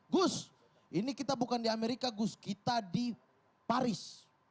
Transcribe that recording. gus ini kita bukan di amerika gus kita di paris